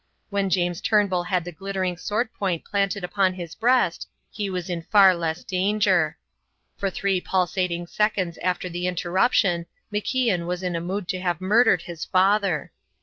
When James Turnbull had the glittering sword point planted upon his breast he was in far less danger. For three pulsating seconds after the interruption MacIan was in a mood to have murdered his father.